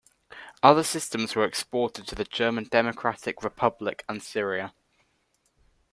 Other systems were exported to the German Democratic Republic and Syria.